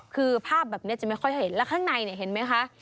คือภาพแบบนี้จะไม่ค่อยเห็นแล้วข้างในเนี่ยเห็นไหมคะ